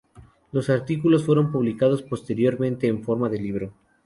Los artículos fueron publicados posteriormente en forma de libro.